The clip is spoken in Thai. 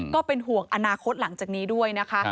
ก็เป็นห่วงอนาคตหลังจากนี้ด้วยนะคะ